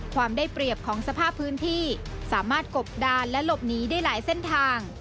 ความได้เปรียบของสภาพพื้นที่สามารถกบดานและหลบหนีได้หลายเส้นทาง